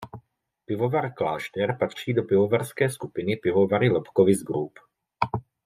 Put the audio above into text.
Pivovar Klášter patří do pivovarské skupiny Pivovary Lobkowicz Group.